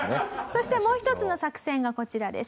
そしてもう一つの作戦がこちらです。